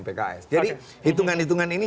pks jadi hitungan hitungan ini